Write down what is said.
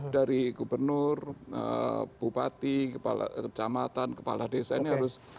dari gubernur bupati kecamatan kepala desa ini harus inlahkan